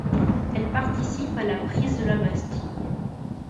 Elle participe à la prise de la Bastille.